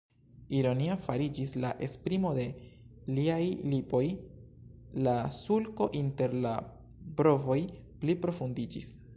Ironia fariĝis la esprimo de liaj lipoj, la sulko inter la brovoj pli profundiĝis.